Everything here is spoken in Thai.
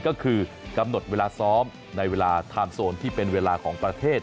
ก็คือกำหนดเวลาซ้อมในเวลาไทม์โซนที่เป็นเวลาของประเทศ